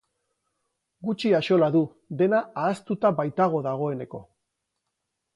Gutxi axola du dena ahaztuta baitago dagoeneko.